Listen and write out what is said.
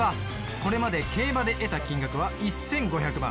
これまで競馬で得た金額は１５００万。